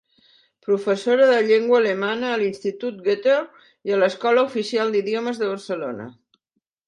Professora de llengua alemanya en l'Institut Goethe i a l'Escola Oficial d'Idiomes de Barcelona.